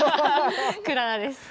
クララです。